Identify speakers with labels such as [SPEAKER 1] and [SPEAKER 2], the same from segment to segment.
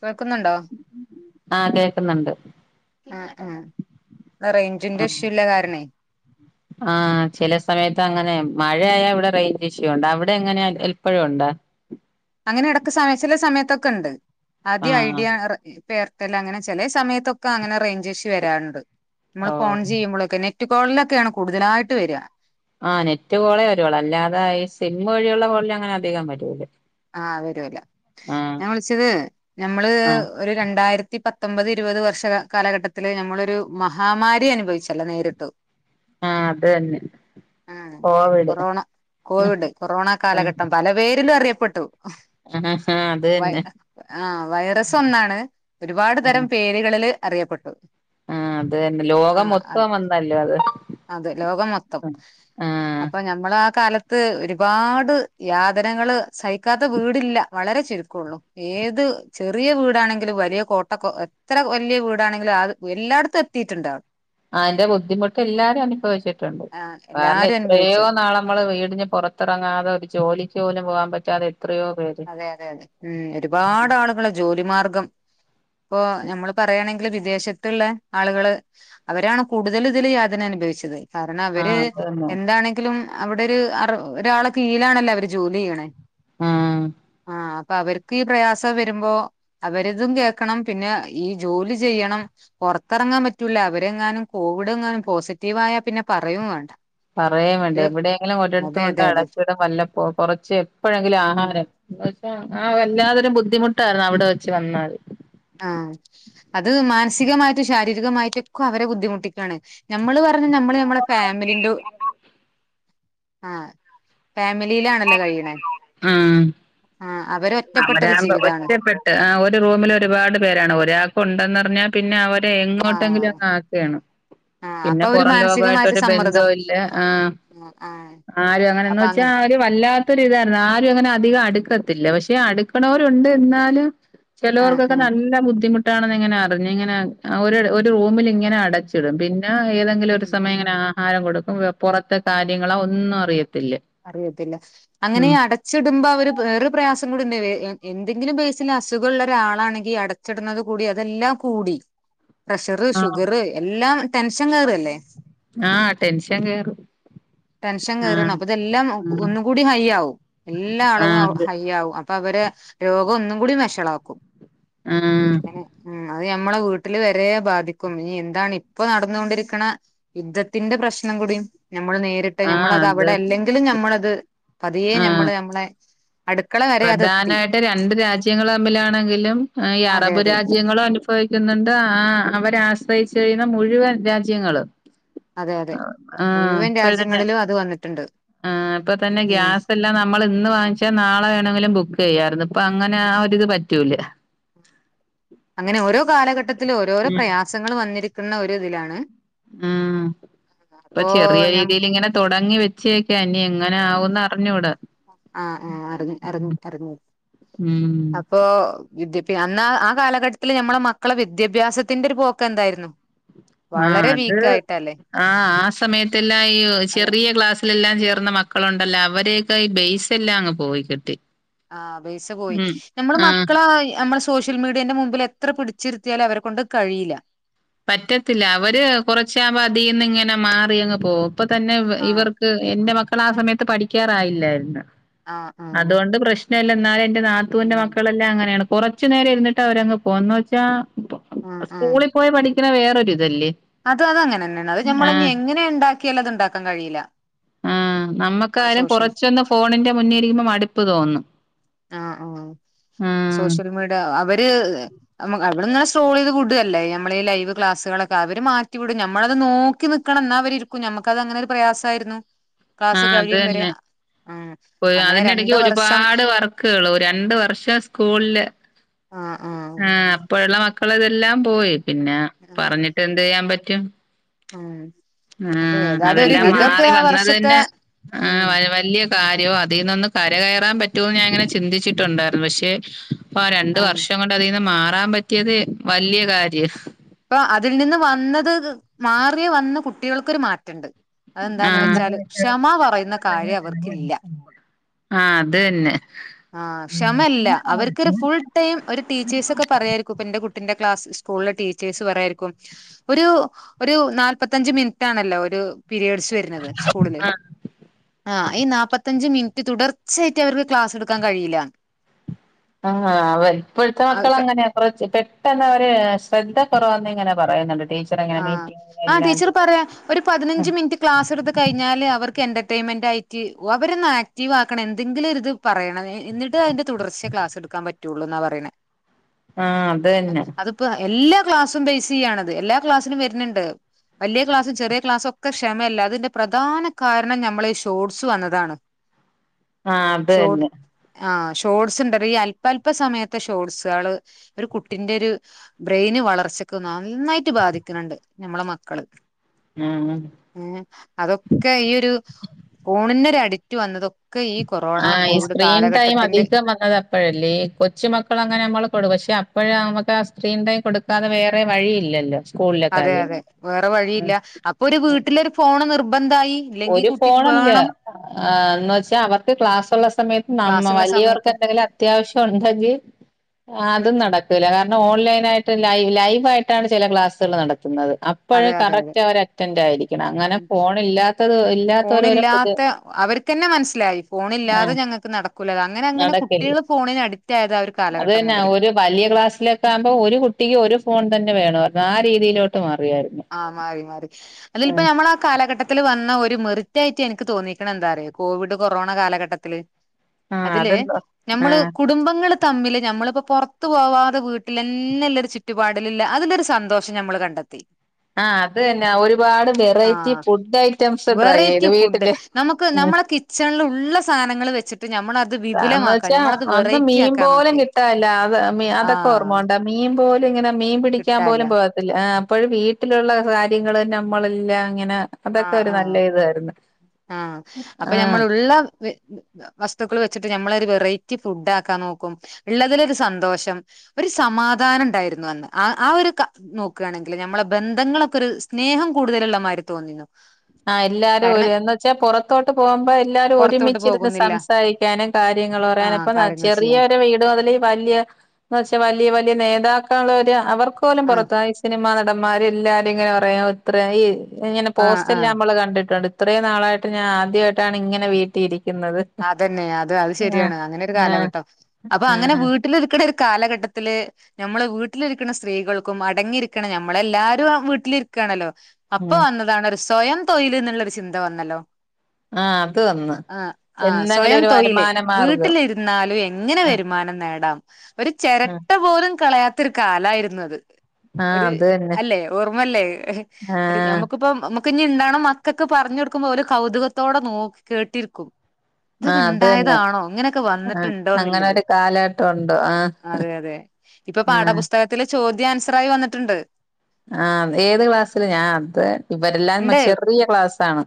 [SPEAKER 1] കേൾക്കുന്നുണ്ടോ?
[SPEAKER 2] ആഹ് കേക്കുന്നുണ്ട്,
[SPEAKER 1] ആ ഹ് ആഹ് റേഞ്ചിന്റെ
[SPEAKER 2] ആഹ്
[SPEAKER 1] ഇഷ്യൂല്ല കാരണേ
[SPEAKER 2] ആഹ് ചില സമയത്ത് അങ്ങനെ മഴയായ ഇവിടെ റേഞ്ച് ഇഷ്യു ഉണ്ട് അവിടെ എങ്ങനെയ എപ്പോഴും ഉണ്ട
[SPEAKER 1] അങ്ങനെ ഇടക്ക സമയച്ചില സമയത്തൊക്കെ ഉണ്ട് ആദ്യം
[SPEAKER 2] ആഹ്
[SPEAKER 1] ഐഡിയ എയർടെൽ അങ്ങനെ ചില സമയത്തൊക്കെ അങ്ങനെ റേഞ്ച് ഇഷ്യൂ വരാറുണ്ട് നമ്മള് ഫോൺ
[SPEAKER 2] ഓഹ്
[SPEAKER 1] ചെയ്യുമ്പോളൊക്കെ നെറ്റ് ക്കോളിലൊക്കെയാണ് കൂടുതലായിട്ട് വരിക
[SPEAKER 2] ആ നെറ്റ് കോളേ വരുവുളളു അല്ലാതെ ഈ സിം വഴിയുള്ള കോളിൽ അങ്ങനെ അധികം വരൂല
[SPEAKER 1] ആഹ് വരുല്ല
[SPEAKER 2] ആഹ്
[SPEAKER 1] ഞാൻ വിളിച്ചത് ഞമ്മള്
[SPEAKER 2] ആഹ്
[SPEAKER 1] ഒരു രണ്ടായിരത്തി പത്തൊമ്പത് ഇരുപത് വർഷ കാലഘട്ടത്തില് നമ്മളൊരു മഹാമാരി അനുഭവിച്ചല്ലോ നേരിട്ട്
[SPEAKER 2] ആഹ് അത് തന്നെ
[SPEAKER 1] ആഹ്
[SPEAKER 2] കോവിഡ്
[SPEAKER 1] കൊറോണ കോവിഡ് കൊറോണ
[SPEAKER 2] ആഹ്
[SPEAKER 1] കാലഘട്ടം പല പേരിലും അറിയപ്പെട്ടു ട്ടു
[SPEAKER 2] [inaudible]
[SPEAKER 1] വൈ
[SPEAKER 2] തന്നെ
[SPEAKER 1] ആഹ് വൈറസ് ഒന്നാണ് ഒരുപാട് തരം
[SPEAKER 2] ആഹ്
[SPEAKER 1] പേരുകളില് അറിയപ്പെട്ടു
[SPEAKER 2] ആഹ് അത് തന്നെ ലോകം
[SPEAKER 1] ആഹ് അത്
[SPEAKER 2] മൊത്തം വന്നല്ലോ അത്
[SPEAKER 1] അതെ ലോകം മൊത്തം
[SPEAKER 2] ആഹ്
[SPEAKER 1] അപ്പൊ ഞ നമ്മളാ കാലത്ത് ഒരുപാട് യാതനകൾ സഹിക്കാത്ത വീടില്ല വളരെ ചുരുക്കള്ളൂ ഏത് ചെറിയ വീടാണെങ്കിലും വലിയ കോട്ടക്ക എത്ര വല്യ വീടാണെങ്കിലും അത് എല്ലായിടത്തും കിട്ടിയിട്ടുണ്ടാവും
[SPEAKER 2] അതിന്റെ ബുദ്ധിമുട്ട് എല്ലാരും അനുഭവിച്ചിട്ടുണ്ട്
[SPEAKER 1] ആഹ്
[SPEAKER 2] കാരണം
[SPEAKER 1] എല്ലാരും
[SPEAKER 2] എത്രയോ
[SPEAKER 1] അനുഭവിച്ചത്
[SPEAKER 2] നാള് നമ്മള് വീടിന് പുറത്ത് ത്തിറങ്ങാതെ ഒരു ജോലിക്ക് പോലും പോവാൻ പറ്റാതെ എത്രയോ പേര്
[SPEAKER 1] അതെ അതെ അതെ ഉം ഒരുപാട് ആളുകളെ ജോലി മാർഗം ഇപ്പൊ നമ്മള് പറയാണെങ്കില് വിദേശത്തുള്ള ആളുകള് അവരാണ് കൂടുതലും ഇതില് യാതന അനുഭവിച്ചത് കാരണം അവര്
[SPEAKER 2] ആഹ് അതന്നെ
[SPEAKER 1] എന്താണെങ്കിലും അവിടെ ഒരു അറ ഒരാളൊക്കെ കീഴിലാണല്ലോ അവര് ജോലി ചെയ്യണേ
[SPEAKER 2] ഉം
[SPEAKER 1] ആ അപ്പ അവര്ക്ക് ഈ പ്രയാസം വരുമ്പോ അവരതും കേക്കണം പിന്നെ ഈ ജോലി ചെയ്യണം പൊറത്തെറങ്ങാൻ പറ്റൂല അവരെങ്ങാനും കോവിഡ് എങ്ങാനും പോസിറ്റീവായാ പിന്നെ പറയും വേണ്ട
[SPEAKER 2] പറയേം വേണ്ട
[SPEAKER 1] ഒരു
[SPEAKER 2] എവടേങ്കിലും ഒരെട്ത്ത്
[SPEAKER 1] അതെ
[SPEAKER 2] കൊണ്ട്
[SPEAKER 1] അതെ അതെ
[SPEAKER 2] അടച്ചിടും വല്ലപ്പോ കാെറച്ച് എപ്പഴെങ്കിലും
[SPEAKER 1] ഉം.
[SPEAKER 2] ആഹാരം ആഹ് വല്ലാതൊരു ബുദ്ധിമുട്ടായ്രുന്നു അവിടെ വെച്ച് വന്നാല്
[SPEAKER 1] ആഹ് അത് മാനസികമായിട്ടും ശാരീരികമായിട്ടൊക്കെ അവരെ ബുദ്ധിമുട്ടിക്കാണ് നമ്മള് പറഞ്ഞ നമ്മള് നമ്മള ഫാമിലിന്റെ ആഹ് ഫാമിലീലാണല്ലോ കഴിയ്ണെ
[SPEAKER 2] ആഹ്
[SPEAKER 1] ആ അവരൊറ്റ്
[SPEAKER 2] അവരാവുമ്പോ ഒറ്റപ്പെട്ട് ആഹ് ഒരുറൂമില് ഒരുപാട് പേരാണ് ഒരാൾക്ക് ഉണ്ടെന്നറിഞ്ഞാ പിന്നെ അവരെ
[SPEAKER 1] ആ
[SPEAKER 2] എങ്ങോട്ടെങ്കിലും ആക് ക്കാണ്
[SPEAKER 1] ആഹ്
[SPEAKER 2] പിന്നെ
[SPEAKER 1] അപ്പൊ ഒരു
[SPEAKER 2] പൊറം ലോകായിട്ടൊരു ബന്ധോല്ല ആഹ്
[SPEAKER 1] അഹ്ആഹ്
[SPEAKER 2] ആരും അങ്ങനെന്ന് വെച്ചാ അവര് വല്ലാ ത്തൊര് ഇതായ്‌ര്ന്നു ആരും അങ്ങനെ അധികം അടുക്കത്തില്ല പക്ഷെ അട്ക്ക്ണോരുണ്ട് എന്നാലും
[SPEAKER 1] ആഹ്
[SPEAKER 2] ചെലോർക്കൊക്കെ
[SPEAKER 1] ആഹ്
[SPEAKER 2] നല്ല ബുദ്ധിമുട്ടാണെന്ന് ഇങ്ങനെ അർഞ്ഞു ഇങ്ങനെ ഒരു ഒരു റൂമില് ഇങ്ങനെ അടച്ച് ച്ച്ടും പിന്നെ ഏതെങ്കിലും ഒരു
[SPEAKER 1] ഉം ഉം
[SPEAKER 2] സമയംങ്ങനെ ആഹ് ആഹാരം കൊടുക്കും പൊറത്തെ കാര്യങ്ങളൊ ഒന്നും അറിയത്തില്ല
[SPEAKER 1] അറിയത്തില്ല അങ്ങനെ
[SPEAKER 2] ഉം
[SPEAKER 1] അടച്ച് ച്ച്ട്മ്പോ അവര് വേറെ പ്രയാസം കൂടി ന്നെ എ എന്തെങ്കിലും ബേസില് അസുഖം ഉള്ളാെരു ആളാണെങ്കി അട ച്ച്ട്ന്നത് കൂടി അതെല്ലാം കൂടി പ്രഷറ്
[SPEAKER 2] ആഹ്
[SPEAKER 1] ഷുഗറ് എല്ലാം ടെൻഷൻ കേറല്ലേ
[SPEAKER 2] ആഹ് ടെൻഷൻ കേറും
[SPEAKER 1] ടെൻഷൻ കെറ്ണാ
[SPEAKER 2] ആഹ്
[SPEAKER 1] അപ്പ ഇതെല്ലാം ഒ ഒന്നും കൂടി ഹൈ ആവും എല്ലാ അളവും
[SPEAKER 2] ആഹ്
[SPEAKER 1] ഹൈ ആവും അപ് അപ്പ അവരെ രോഗം ഒന്നും കൂടി വെഷളാക്കും
[SPEAKER 2] ഉം
[SPEAKER 1] ഉം അത് ഞമ്മളെ വീട്ടില് വരെ ബാധിക്കും ഇനി എന്താണ് ഇപ്പൊ നടന്നുകൊണ്ടിരിക്ക്ണ യുദ്ധത്തിന്റെ പ്രശ്നം കുടിം നമ്മൾ നേരിട്ട് ട്ട്
[SPEAKER 2] ആഹ് ആഹ്
[SPEAKER 1] നമ്മളത്
[SPEAKER 2] അത്
[SPEAKER 1] അവ്ടെ അല്ലെങ്കിലും നമ്മളത് പതിയെ
[SPEAKER 2] ആഹ്
[SPEAKER 1] ഞമ്മള് ഞമ്മളെ അടുക്കള വരെ അതെത്തി
[SPEAKER 2] പ്രധാനായിട്ട് രണ്ട് രാജ്യങ്ങള് തമ്മിലാണെങ്കിലും ഈ
[SPEAKER 1] അതെ
[SPEAKER 2] അറബ്
[SPEAKER 1] അതെ
[SPEAKER 2] രാജ്യങ്ങളോ പേയിക്കുന്ന്ണ്ട് ആ അ അവരാശ്രയിച്ച് കയ്യ്ന്ന മുഴുവൻ രാജ്യങ്ങളും
[SPEAKER 1] അതെ അതെ
[SPEAKER 2] ആഹ്
[SPEAKER 1] മുഴുവൻ
[SPEAKER 2] ഇപ്പ ഇതന്നെ
[SPEAKER 1] രാജ്യങ്ങളിലും അത് വന്നിട്ടുണ്ട്
[SPEAKER 2] ആഹ് ഇപ്പ തന്നെ
[SPEAKER 1] ഉം
[SPEAKER 2] ഗ്യാസ് ല്ല നമ്മള് ഇന്ന് വാങ്ങിച്ചാ നാളെ ണെങ്കിലും ബുക്ക് ചെയ്യായ്ര്ന്ന് ഇപ്പൊ അങ്ങനെ ആ ഒര്ത് പറ്റൂല
[SPEAKER 1] അങ്ങനെ ഓരോ കാലഘട്ടത്തിലു ഓരോരോ
[SPEAKER 2] ഉം
[SPEAKER 1] പ്രയാസങ്ങൾ വന്നിരിക്ക്ന്ന ഒരു ഇതിലാണ്
[SPEAKER 2] ഉം ഇപ്പ
[SPEAKER 1] അപ്പോ
[SPEAKER 2] ചെറിയ
[SPEAKER 1] ഞ
[SPEAKER 2] രീതീല് ഇങ്ങനെ താെടങ്ങി വെച്ചേക്ക ഇന്നിങ്
[SPEAKER 1] ആഹ് ആഹ് അറിഞ് അറിഞ്ഞ് അറിഞ്ഞു
[SPEAKER 2] ഉം
[SPEAKER 1] അപ് ഇപ്പോ വിദ്യഭ്യാ അന്ന് ആ കാലഘട്ടത്ത്ല് ഞമ്മളെ മക്കളെ വിദ്യാഭ്യാസത്തിന്റെ ഒര് പോക്ക എന്തായിരുന്നു
[SPEAKER 2] ആഹ്
[SPEAKER 1] വളരെ
[SPEAKER 2] അത്
[SPEAKER 1] വീക്ക് ആയിട്ടല്ലേ
[SPEAKER 2] ആഹ് ആ സമയത്തെല്ലാം ഈ
[SPEAKER 1] അതെ
[SPEAKER 2] ചെറിയ ക്ലാസ് ലെല്ലാം ചേർന്ന മക്കളുണ്ടല്ലോ അവരെയെക്കെ ഈ ബെയ്സ് എല്ലാം അങ്ങ് പോയി കിട്ടി
[SPEAKER 1] ആഹ് ബേയ്സ് പോയി
[SPEAKER 2] ഉം
[SPEAKER 1] നമ്മള്
[SPEAKER 2] ആഹ്
[SPEAKER 1] മക്കളാ ഈ നമ്മളസ് സോഷ്യൽ മീഡിയന്റെ മുമ്പില് എത്ര പിടിച്ചിരിത്തിയാലും അവരെ കൊണ്ട് കഴിയില്ല
[SPEAKER 2] പറ്റത്തില്ല അവര് കൊറച്ചാവുമ്പോ അതീന്ന് ഇങ്ങനെ മാറി അങ്ങ് പോവും ഇപ്പ തന്നെ ഇവ
[SPEAKER 1] ആഹ്
[SPEAKER 2] ഇവർ എന്റെ മക്കള് ആ സമയത്ത് പഠിക്കാറായില്ലായ്ര്ന്നു
[SPEAKER 1] ആഹ് ആഹ്
[SPEAKER 2] അതുകൊണ്ട് പ്രശ് പ്രശ്നല്ല എന്നാലെ എന്റെ നാത്തൂന്റെ
[SPEAKER 1] ഉം
[SPEAKER 2] മക്കളെല്ലാം അങ്ങനേണ് കൊറച്ച് നേരഇര്ന്ന്ട്ട് അവരങ് പ്പോ എന്ന് വെച്ചാ
[SPEAKER 1] ആഹ് ആഹ്
[SPEAKER 2] സ്കൂളിൽ പോയി പഠിക്കണ വേറൊര് ഇതല്ലേ
[SPEAKER 1] അത് അത് അങ്ങനെ തന്നെയാണ് അത്ഞമ്മള് എങ്ങനെ ഉണ്ടാക്കിയാലും. അത് ഉണ്ടാക്കാൻ കഴിയില്ല.
[SPEAKER 2] ആഹ്
[SPEAKER 1] നമ്മളെ
[SPEAKER 2] നമ്മക്കാരും
[SPEAKER 1] സോഷ്യൽ
[SPEAKER 2] കുറച്ചൊന്ന് ഫോണിന്റെ മുന്നേ ഇരിക്കുമ്പോ മടുപ്പ് തോന്നും.
[SPEAKER 1] ആഹ് ആഹ്
[SPEAKER 2] ആഹ്
[SPEAKER 1] സോഷ്യൽ മീഡിയ അവര്. അവിടന്നനെ സ്ട്രോൾ ചെയ്ത് വിട അല്ലേ നമ്മള ഈ ലൈവ് ക്ലാസുകളൊക്കെ അവര് മാറ്റി വിടും. നമ്മളത് നോക്ക ക്കി നിക്കണം എന്നാ അവരി ഇരിക്കും നമക്കത് അങ്ങനെ ഒരു പ്രയാസമായിരുന്നു ക്ലാസ്സ് കഴിയും വരെ. ഉം
[SPEAKER 2] അതിനിടക്ക് ഒരുപാട് വർക്കുകൾ രണ്ട് വർഷം സ്കൂളില്.
[SPEAKER 1] ആഹ്
[SPEAKER 2] ആഹ് അപ്പോഴുള്ള മക്കൾ ഇതെല്ലാം പോയി പിന്നെ
[SPEAKER 1] ആഹ്
[SPEAKER 2] പറഞ്ഞിട്ട് എന്ത് ചെയ്യാൻ പറ്റും.
[SPEAKER 1] ഉം അപ്പൊ
[SPEAKER 2] ആഹ്
[SPEAKER 1] ഏതായാലും ഒരു
[SPEAKER 2] അതെല്ലാം
[SPEAKER 1] വിധൊക്കെ
[SPEAKER 2] മാറി
[SPEAKER 1] ആ വർഷത്തെ
[SPEAKER 2] വന്നതന്നെ
[SPEAKER 1] ഉം
[SPEAKER 2] ആഹ് വലിയ കാര്യോ അ അതിൽന്ന് ഒന്ന് കയറാൻ പറ്റുമന്ന് ഞാൻഇങ്ങനെ ചിന്തിച്ചിട്ടുണ്ടായിരുന്നു. പക്ഷെ പ്പോ ആ രണ്ട്
[SPEAKER 1] ആണ്
[SPEAKER 2] വർഷം. ണ്ട് അതിന്ന് മാറാൻ പറ്റിയത് വലിയ കാര്യം.
[SPEAKER 1] ഇപ്പൊ അതിൽ നിന്ന് വന്നത് മാറിയ വന്ന കുട്ടികൾക്കൊരു മാറ്റണ്ട്. അതെന്താന്ന്
[SPEAKER 2] ആഹ്
[SPEAKER 1] വെച്ചാല് ക്ഷമ പറയുന്ന കാര്യം അവർക്കില്ല.
[SPEAKER 2] ആഹ് അതന്നെ
[SPEAKER 1] ആഹ് ക്ഷമല്ല അവർക്ക്രു ഫുൾ ടൈം ഒരു ടീച്ചേഴ്സ് ഒക്കെ പറയായിരിക്കും ഇപ്പ എന്റെ കുട്ടിന്റെ ക്ലാസ് സ്കൂളിലെ ടീ പറായിരിക്കും ഒരു ഒരു നാല്പത്തഞ്ച് മിനിറ്റ്ണല്ലോ ഒരു പിരിയേഡ്സ് വരുന്നത് സ്കൂളില്
[SPEAKER 2] ആ
[SPEAKER 1] ആഹ് ഈ നാല്പ്പത്തഞ്ച് മിനിറ്റ്. തുടർച്ചയട്ട് അവർക്ക് ക്ലാസ് എടുക്കാൻ കഴിയില്ല.
[SPEAKER 2] ആഹ് അവര ഇപ്പോഴത്തെ മക്കൾ അങ്ങനെയ. കുറ പെട്ടെന്ന് അവര് ശ്രദ്ധ കുറവന്ന് ഇങ്ങനെ പറയുന്നുണ്ട്. ടീ
[SPEAKER 1] ആഹ് ആഹ് ടീച്ചർ പറയാ. ഒരു പതിനഞ്ച് മിനിറ്റ് ക്ലാസ് എടുത്ത് കഴിഞ്ഞാല് അവർക്ക് എന്റർടൈയിൻമെന്റ് ആയിട്ട് അവരൊന്നാ ക്റ്റീവാക്കണം എന്തെങ്കിലും ഇരിത് പറയണം എന്നിട്ട് അതിന്റെ തുടർച്ച ക്ലാസ് എടുക്കാൻ പറ്റുവുള്ളൂ എന്നാ പറയണ്.
[SPEAKER 2] ആഹ് അത് തന്നെ
[SPEAKER 1] ഇപ്പൊ എല്ലാ ക്ലാസ്സും ബേസ് ചെയ്യണത് എല്ലാ ക്ലാസ്സിലും വരുന്ന്ണ്ട്. വലിയ ക്ലാസ്സും ചെറിയ ക്ലാസ്സും ഒക്കെ ക്ഷമയല്ല അതിന്റെ പ്രധാന കാരണം നമ്മള ഈ ഷോർട്സ് വന്നതാണ്. [inaudible]
[SPEAKER 2] ആഹ് അത് തന്നെ
[SPEAKER 1] ആഹ് ഷോട്സ് ണ്ടല്ലോ ഈ അല്പ അല്പ സമയത്തെ ഷോർട്സേള് ഒരു കുട്ടിന്റെരു ബ്രെയിന് വളർച്ച ക്ക് നന്നായിട്ട് ബാധിക്ക്ണ് ണ്ട് ഞമ്മളെ മക്കള്ക്ക്
[SPEAKER 2] ഉം
[SPEAKER 1] ഉം അതൊക്കെ ഈ ഒരു ഫോണിന്നൊരു അടിറ്റ് വന്നതൊ ക്ക് ഈ കൊറോ
[SPEAKER 2] ആഹ് ഈ സ്ക്രീൻ ടൈം അധികം വന്നതാ അപ്പോഴല്ലേ കൊച്ചു മക്കൾ അങ്ങനെ നമ്മള് കൊടു പക്ഷെ അപ്പോഴ നമുക്ക് ആ സ്ക്രീൻ ടൈം കൊടുക്കാതെ വേറെ വഴിയില്ലല്ലോ സ്കൂളിലെ
[SPEAKER 1] അതെ അതെ
[SPEAKER 2] കാര്യങ്ങൾ
[SPEAKER 1] വേറെ വഴിയില്ല അപ്പൊ ഒരു വീട്ടിലൊരു ഫോണ് നിർബന്തായി
[SPEAKER 2] ഒരു ഫോണല്ല എന്ന് വെച്ചാ അവർക്ക് ക്ലാസ്ള്ള സമയത്ത് നമ്മ
[SPEAKER 1] ക്ലാസ്സുള്ള
[SPEAKER 2] വലിയവർക്ക്
[SPEAKER 1] സമയത്ത്
[SPEAKER 2] എന്തെങ്കിലും അത്യാവശ്യ ഉണ്ടെങ്കി അതും നടക്കൂല്ല കാരണം ഓൺലൈന ആയിട്ട് ലൈവ് ലൈവ് ആയിട്ടാണ് ചില ക്ലാസ്സുകൾ നടത്തുന്നത് ഇപ്പോഴും
[SPEAKER 1] അതെ അതെ അതെ
[SPEAKER 2] കറക്റ്റ് അവർ അറ്റൻറ് ആയിരിക്കണം
[SPEAKER 1] ഉം
[SPEAKER 2] അങ്ങനെ
[SPEAKER 1] ഉം
[SPEAKER 2] ഫോൺ ഇല്ലാത്തത് ഇല്ലാത്തവരവരെ പുതി
[SPEAKER 1] ഫോണില്ലാത്ത അവർക്ക്ന്നെ മനസ്സിലായി ഫോണില്ലാതെ
[SPEAKER 2] ആഹ്
[SPEAKER 1] ഞങ്ങൾക്ക് നടക്കൂല അങ്ങനെ അങ്ങനെ കുട്ട് കുട്ടികള് ഫോണിന് അഡിക്റ്റ് ആയത ആ ഒരു കാലഘട്ടം
[SPEAKER 2] ന്ന
[SPEAKER 1] മുതലാ
[SPEAKER 2] ഒരു വലിയ ക്ലാസിലൊക്കെ ആകുമ്പോ ഒരു കുട്ടിക്ക് ഒരു ഫോൺ തന്നെ വേണോർഞ് ആ രീതിയിലോട്ട് മാറിയരുന്നു
[SPEAKER 1] ആഹ് മാറി മാറി അതില് പ്പ ഞമ്മളാ കാലഘട്ട ത്തില് വന്ന ഒരു മെറിറ്റായിറ്റ് എനിക്ക് തോന്നിയിക്ക്ണ എന്താറിയോ കോവിഡ് കൊറോണ കാലഘട്ടത്തില്
[SPEAKER 2] ആഹ്
[SPEAKER 1] അതില്
[SPEAKER 2] അതെന്തോ
[SPEAKER 1] ഞമ്മള്
[SPEAKER 2] ആഹ്
[SPEAKER 1] കുടുംബങ്ങള് തമ്മില് ഞമ്മള്പ്പൊ പൊറത്ത് പോവാതെ വീട്ടിലെന്നെല്ലരു ചുറ്റുപാടിലില്ല അതിന്നൊര് സന്തോഷം ഞമ്മള് കണ്ടെത്തി.
[SPEAKER 2] ആഹ് അത് തന്നെ ഒരുപാട് വെറൈറ്റി
[SPEAKER 1] ആഹ്
[SPEAKER 2] ഫുഡ് ഐറ്റംസ് ട്രൈ ചെയ്തു വീട്ടില്. ഏഹ്
[SPEAKER 1] ച്ചൺല് ഉള്ള സാനങ്ങള് വെച്ചിട്ട് ഞമ്മള
[SPEAKER 2] ആന്ന് വെച്ചാ അന്ന് മീൻ പോലും
[SPEAKER 1] നോക്കി
[SPEAKER 2] കിട്ടാല്ലാ അത് മീ അതൊക്കെ
[SPEAKER 1] ആഹ്
[SPEAKER 2] ഓർമ്മോണ്ട്. മീൻ പോലു ഇങ്ങനെ മീൻ പിടിക്കാൻ
[SPEAKER 1] കിട്ടാല്ല
[SPEAKER 2] പോലും പോവാ ആഹ് അപ്പോഴും വീട്ടിലുള്ള കാര്യങ്ങള് നമ്മളെല്ലാംങ്ങനെ
[SPEAKER 1] ആഹ്, ആഹ്, ആഹ് അപ്പൊ
[SPEAKER 2] ആ
[SPEAKER 1] ഞമ്മളുള്ള വെ [unintelligible] വസ്തുക്കള് വെച്ചിട്ട് ഞമ്മളൊരു വെറൈറ്റി ഫുഡാക്കാൻ നോക്കും. ള്ളതിലൊരു സന്തോഷം ഒരു സമാധാനണ്ടായിരുന്നു അന്ന് ക ആ ആ ഒരു കാ നോക്കാണെങ്കില് ഞമ്മളെ ബന്ധങ്ങളൊക്കൊര് സ്നേഹം കൂട്തല്ള്ള മാരി തോന്നീന്നു.
[SPEAKER 2] ആഹ് എല്ലാരും ഒരു എന്ന് വെച്ചാ പൊറത്തോട്ട് പോവുമ്പോ എല്ലാരും
[SPEAKER 1] പുറത്തോട്ട്
[SPEAKER 2] ഒരുമിച്ചിരുന്ന്
[SPEAKER 1] പോകുന്നില്ല
[SPEAKER 2] സംസാരിയ്ക്കാനും കാര്യങ്ങള്
[SPEAKER 1] ആ
[SPEAKER 2] പറയാനും ഇപ്പന്ന [unintelligible]
[SPEAKER 1] കാര്യങ്ങൾ ചെയ്യാൻ
[SPEAKER 2] ചെറിയൊരു വീട് മുതല് വല്ല്യ പക്ഷെ വലിയ വല്യ നേതാക്കളൊര് അവർക്കോലും
[SPEAKER 1] ആ
[SPEAKER 2] പുറത്താ [unintelligible] സിനിമാനടമ്മാര് എല്ലാരും ഇങ്ങനെ പറയാ ഇത്ര ഈ ഇങ്ങനെ
[SPEAKER 1] ആ
[SPEAKER 2] പോസ്
[SPEAKER 1] ആ
[SPEAKER 2] ള് കണ്ടിട്ടുണ്ട് ഇത്രയും നാളായിട്ട് ഞാൻ ആദ്യായിട്ടാണ് ഇങ്ങനെ വീട്ടി ഇരിയ്ക്കുന്നത്.
[SPEAKER 1] അതന്നെ അത് അത് ശെരിയാണ് അങ്ങനെ ഒരു കാലഘട്ടം അപ്പൊ
[SPEAKER 2] ആ
[SPEAKER 1] അങ്ങനെ വീ ട്ട്ല് രിക്ക്ണ ഒരു കാലഘട്ടത്തില് ഞമ്മള് വീട്ടിലിരിക്ക്ണ സ്ത്രീകൾക്കും അടങ്ങിയിരിക്ക്ണ നമ്മളെല്ലാരും ആ വീട്ടിലിരിക്കാണല്ലോ അപ്പൊ
[SPEAKER 2] ഉം
[SPEAKER 1] വന്നതാണ് ഒരു സ്വയം തൊഴില് ന്ന്ള്ളൊരു ചിന്ത വന്നല്ലോ
[SPEAKER 2] ആഹ് അത് വന്ന്.
[SPEAKER 1] ആഹ് ആഹ്
[SPEAKER 2] എന്തെങ്കിലും
[SPEAKER 1] സ്വയം
[SPEAKER 2] ഒരു
[SPEAKER 1] തൊഴില്
[SPEAKER 2] വരുമാന മാർഗം
[SPEAKER 1] വീട്ടിലിരുന്നാലും എങ്ങനെ
[SPEAKER 2] ആ
[SPEAKER 1] വരുമാനം നേടാം ഒരു
[SPEAKER 2] ആ
[SPEAKER 1] ചെരട്ട പോലും കളയാത്തൊരു കാലായിരുന്നു അത്
[SPEAKER 2] ആ
[SPEAKER 1] ഒരു
[SPEAKER 2] അത് തന്നെ
[SPEAKER 1] അല്ലെ ഓർമ്മല്ലേ
[SPEAKER 2] ആ
[SPEAKER 1] ഒരു ഞമ്മുക്കുപ്പം അമു ക്ക്ഞ്ഞിണ്ടാണ മക്കക്ക് പറഞ്ഞൊട്ക്കുമ്പോ ഓല് കൗതുകത്തോടെ നോക്കി കേട്ടിര്ക്കും.
[SPEAKER 2] ആ
[SPEAKER 1] തൊക്കെ
[SPEAKER 2] അത് തന്നെ
[SPEAKER 1] ണ്ടായതാണോ ഇങ്ങനെയൊക്കെ
[SPEAKER 2] ആ
[SPEAKER 1] വന്നിട്ടുണ്ടോന്ന്ല്ലത്.
[SPEAKER 2] അങ്ങനൊരു കാലഘട്ടമുണ്ട് ആ
[SPEAKER 1] അതെ യതെ ഇപ്പൊ
[SPEAKER 2] ആ
[SPEAKER 1] പാഠപുസ്തകത്തിലെ ചോദ്യാൻസറായി വന്നിട്ട്ണ്ട്.
[SPEAKER 2] ആഹ്, ഏത് ക്ലാസ്സില് ഞാൻ അത് ഇവരെല്ലാം മ
[SPEAKER 1] ഉണ്ട്
[SPEAKER 2] ചെറിയ ക്ലാസ്സാണ്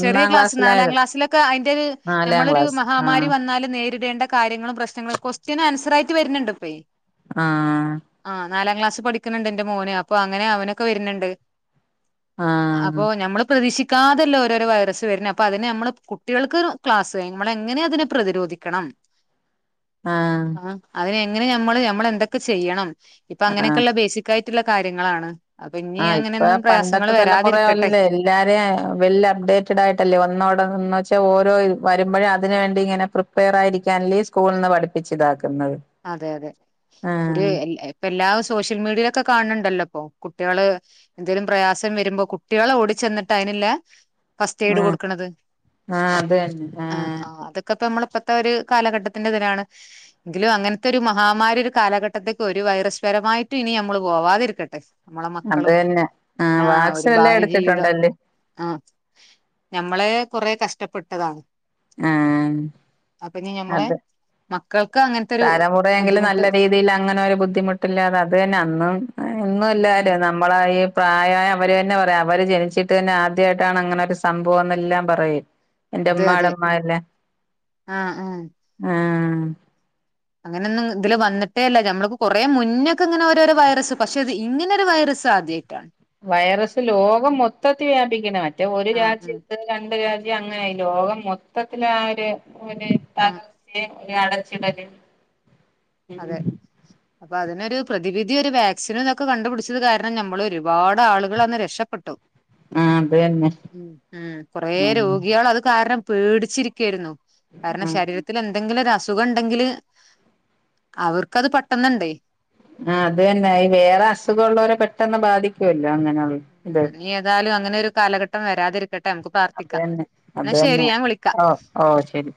[SPEAKER 1] ചെറിയ ക്ലാസ് നാലാം
[SPEAKER 2] ക്ലാസ്സിലായത്
[SPEAKER 1] ക്ലാസ്സിലൊക്കെ അയിൻ്റൊരു
[SPEAKER 2] നാലാം
[SPEAKER 1] ഞമ്മളൊരു
[SPEAKER 2] ക്ലാസ് ആ
[SPEAKER 1] മഹാമാരി വ ന്നാല് നേരിടേണ്ട കാര്യങ്ങളും പ്രശ്നങ്ങളും കൊസ്റ്റ്യന് ആൻസറായിട്ട് വര്ണ് ണ്ട്പ്പെയ്
[SPEAKER 2] ആഹ്
[SPEAKER 1] ആഹ്, നാലാം ക്ലാസ് പഠിക്ക്ണ് ണ്ട് ന്റെ മോന് അപ്പൊ അങ്ങനെ അവനൊക്കെ വെര്ണ് ണ്ട്.
[SPEAKER 2] ആ
[SPEAKER 1] അപ്പൊ ഞമ്മള് പ്രതീക്ഷി ക്കാതല്ലേ ഓരോരോ വൈറസ് വര്ണെ അപ്പൊ അതിനെ ഞമ്മള് കുട്ടികൾക്ക് [unintelligible] ക്ലാസ് [unintelligible] മ്മളെങ്ങനെ അതിനെ പ്രതിരോധിക്കണം
[SPEAKER 2] ആഹ്.
[SPEAKER 1] അ അതിന് എങ്ങനെ ഞമ്മള് ഞമ്മളെന്തെക്കെ ചെയ്യണം, ഇപ്പൊ
[SPEAKER 2] ആ
[SPEAKER 1] അങ്ങനെയൊക്കെള്ള ബേസിക്കായിട്ട്ള്ള കാര്യങ്ങളാണ്.
[SPEAKER 2] ആ
[SPEAKER 1] അപ്പഞ്ഞി
[SPEAKER 2] ഇപ്പൊ
[SPEAKER 1] അങ്ങനെയൊന്നും പ്രയാസങ്ങള്
[SPEAKER 2] പണ്ടത്തെ
[SPEAKER 1] വരാതിരിക്കട്ടെ
[SPEAKER 2] തലമുറയല്ലേ എല്ലാരേം വെൽ അപ്ഡേറ്റഡ് ആയിട്ടല്ലേ ഒന്നോട എന്ന് വെച്ച ഓരോ വരുമ്പഴും അതിന് വേണ്ടി ഇങ്ങനെ പ്രി പേറായിരിക്കാനല്ലേ സ്കൂളിൽ നിന്ന് പഠിപ്പിച്ചിതാക്ക്ന്നത്.
[SPEAKER 1] അതെ യതെ, ഒര് എൽ എ പ്പെല്ലാ സോഷ്യൽ മീഡിയയിലൊക്കെ കാൺണ് ണ്ടല്ലോപ്പൊ കുട്ട്യെള് എന്തേലും പ്രയാസം വെരുമ്പോ കുട്ട്യേള് ഓടിച്ചെന്ന്ട്ട് അയിനില്ലെ ഫസ്റ്റ് എയ്ഡ്
[SPEAKER 2] ആ
[SPEAKER 1] കൊടുക്ക്ണത്
[SPEAKER 2] ആ അത് തന്നെ ആ
[SPEAKER 1] ആഹ് അതൊ ക്കത്തെ മ്മള് ഇപ്പത്തെ ഒരു കാലഘട്ടത്തിന്റെതിലാണ് എങ്കിലും അങ്ങൻത്തെ ഒരു മഹാമാരി ഒരു കാലഘട്ടത്തേക്ക് ഒരു വൈറസ് പരമായിട്ടും ഇനി നമ്മള് പോവാതിരിക്കട്ടെ നമ്മളെ
[SPEAKER 2] അത്
[SPEAKER 1] മക്കളും
[SPEAKER 2] തന്നെ ആ
[SPEAKER 1] ആഹ് ഒരു
[SPEAKER 2] വാക്സിനെല്ലാം
[SPEAKER 1] ഭാവി ജീവിതം
[SPEAKER 2] എടുത്തിട്ടുണ്ടല്ലേ
[SPEAKER 1] ആഹ് ഞമ്മളേ കൊറെ കഷ്ടപ്പെട്ടതാണ്
[SPEAKER 2] ആഹ്
[SPEAKER 1] അപ്പം ഇനി ഞമ്മളെ
[SPEAKER 2] അത്
[SPEAKER 1] മക്കൾക്ക് അങ്ങൻ
[SPEAKER 2] തലമുറയെങ്കിലും നല്ല രീതിയില് അങ്ങനെ ഒരു ബുദ്ധിമുട്ടില്ലാതെ അത് തന്നെ അന്നും ഇന്നും
[SPEAKER 1] ഉം ഉം
[SPEAKER 2] ഇല്ലാലോ നമ്മള് ഈ പ്രായം ആയ അവര് ന്നെ പറയാ അവര് ജനിച്ചിട്ട് തന്നെ ആദ്യമായിട്ടാണ് അങ്ങനെ ഒരു സംഭവം എന്നെല്ലാം പറയും എന്റെ
[SPEAKER 1] അതെ
[SPEAKER 2] ഉമ്മാടെ
[SPEAKER 1] അതെ
[SPEAKER 2] ഉമ്മാലേ
[SPEAKER 1] ആഹ് ആഹ്
[SPEAKER 2] ആഹ്
[SPEAKER 1] അങ്ങനെയൊന്നും ഇതില് വന്നിട്ടേല്ല നമ്മളൊക്കെ കൊറേ മുന്നക്കെ ഇങ്ങനെ ഓരോരോ വൈറസ് പക്ഷെ ഇത് ഇങ്ങനൊരു വൈറസ് ഇതാദ്യായിട്ടാണ്
[SPEAKER 2] വൈറസ് ലോകം മൊത്തത്തി വ്യാപിക്ക്ണ മറ്റേ ഒരു
[SPEAKER 1] ആഹ് ഉം
[SPEAKER 2] രാജ്യത്ത് രണ്ട് രാജ്യം അങ്ങനായി ലോകം മൊത്തത്തില് ആ ഒരു ഒരു തക
[SPEAKER 1] ആഹ്
[SPEAKER 2] ച്ചേ അടച്ചിടല്
[SPEAKER 1] അതെ അപ്പൊ അതിനൊരു പ്രതിവിധി ഒരു വാക്സിനും തൊക്കെ കണ്ടുപിടിച്ചത് കാര്ണം ഞമ്മൾ ഒരുപാട് ആളുകൾ അന്ന് രക്ഷപ്പെട്ടു
[SPEAKER 2] ആഹ് അത് തന്നെ
[SPEAKER 1] ഉം കൊറേ
[SPEAKER 2] ഉം
[SPEAKER 1] രോഗികൾ അത് കാര്ണം പേടിച്ചിരിക്കായിരുന്നു കാര്ണം
[SPEAKER 2] ആഹ്
[SPEAKER 1] ശരീരത്തില് എന്തെങ്കിലും ഒരു അസുഖം ഇണ്ടെങ്കില് അവർക്കത് പെട്ടെന്ന് ണ്ടേ
[SPEAKER 2] ആഹ് അത് തന്നെ ഈ വേറെ അസുഖൊള്ളോരെ പെട്ടെന്ന് ബാധിക്കോല്ലോ അങ്ങനെയുള്ള ഇത്
[SPEAKER 1] ഇനി ഏതാലും അങ്ങനെ ഒരു കാലഘട്ടം വരാതിരിക്കട്ടെ മ്മക്ക്
[SPEAKER 2] അത് തന്നെ അത് തന്നെ ഓഹ് ഓഹ് ശരി